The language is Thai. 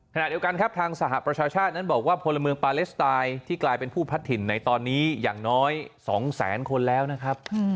ขณะเดียวกันครับทางสหประชาชาตินั้นบอกว่าพลเมืองปาเลสไตน์ที่กลายเป็นผู้พัดถิ่นในตอนนี้อย่างน้อย๒แสนคนแล้วนะครับ